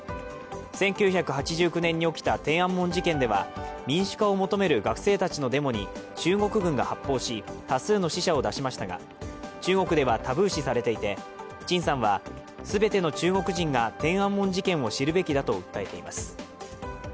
１９８９年に起きた天安門事件では民主化を求める学生たちのデモに中国軍が発砲し、多数の死者を出しましたが、中国ではタブー視されていて、陳さんは全ての中国人が天安門事件を知るべきだと訴えています。